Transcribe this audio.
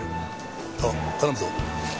ああ頼むぞ。